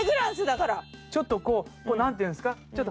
ちょっとこう何ていうんですか？